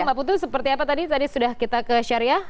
mbak putu seperti apa tadi tadi sudah kita ke syariah